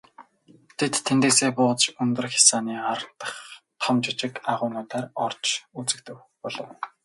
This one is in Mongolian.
Тэд тэндээсээ бууж өндөр хясааны ар дахь том жижиг агуйнуудаар орж үзэх болов.